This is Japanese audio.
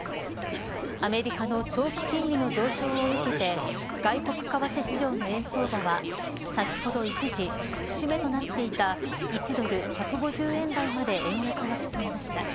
アメリカの長期金利の上昇を受けて外国為替市場の円相場は先ほど一時、節目となっていた１ドル１５０円台まで円安が進みました。